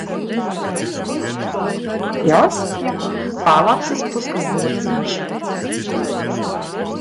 Polārlapsas puskažociņš.